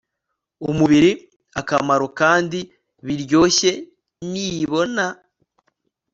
umubiri akamaro kandi biryoshye nibona